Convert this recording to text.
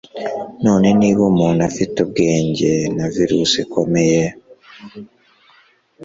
Noneho niba Umuntu afite ubwenge na Virusi ikomeye